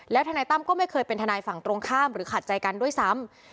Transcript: ทนายตั้มก็ไม่เคยเป็นทนายฝั่งตรงข้ามหรือขัดใจกันด้วยซ้ำ